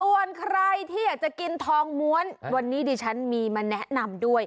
ส่วนใครที่อยากจะกินทองม้วนวันนี้ดิฉันมีมาแนะนำด้วย